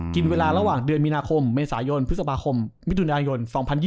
กินเวลาระหว่างเดือนมีนาคมเมษายนพฤษภาคมมิถุนายน๒๐๒๐